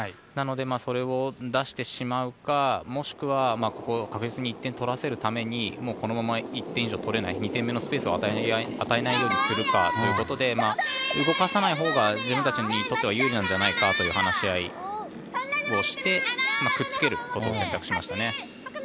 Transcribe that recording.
なので、それを出してしまうかもしくはここを確実に１点取らせるためにこのまま１点以上取れない２点目のスペースを与えないようにするかということで動かさないほうが自分たちにとっては有利なんじゃないかという話し合いをしてくっつけることを選択しましたね。